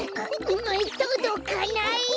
とどかない。